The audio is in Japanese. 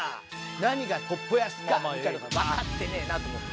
「何が『鉄道員』っすか」みたいなのがわかってねえなと思って。